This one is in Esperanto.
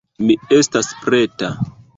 Mi estas preta...